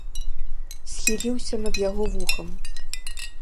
Схіліўся над яго вухам.